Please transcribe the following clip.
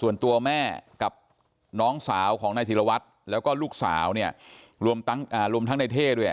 ส่วนตัวแม่กับน้องสาวของนายธิรวัตรแล้วก็ลูกสาวเนี่ยรวมทั้งในเท่ด้วย